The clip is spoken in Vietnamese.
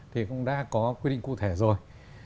thì cũng đã có quy định cụ thể rồi